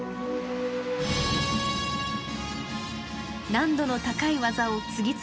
難度の高い技を次々と決め